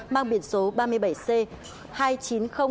mang biển số ba mươi bảy c hai mươi chín nghìn hai mươi